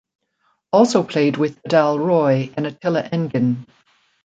Also played with Badal Roy and Atilla Engin.